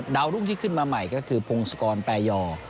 รุ่งที่ขึ้นมาใหม่ก็คือพงศกรแปรยอ